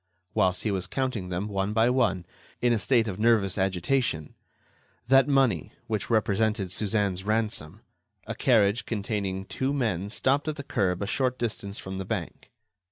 Whilst he was counting them, one by one, in a state of nervous agitation—that money, which represented Suzanne's ransom—a carriage containing two men stopped at the curb a short distance from the bank.